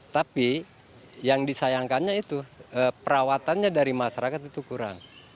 tapi yang disayangkannya itu perawatannya dari masyarakat itu kurang